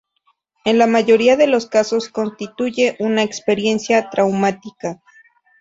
En la mayoría de los casos constituye una experiencia traumática.